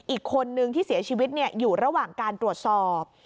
อีกคนนึงที่เสียชีวิตอยู่ระหว่างการตรวจสอบ